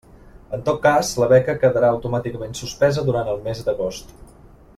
En tot cas, la beca quedarà automàticament suspesa durant el mes d'agost.